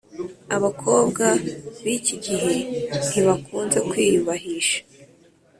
abakobwa bikigihe ntibakunze kwiyubahisha